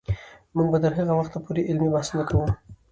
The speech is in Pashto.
موږ به تر هغه وخته پورې علمي بحثونه کوو.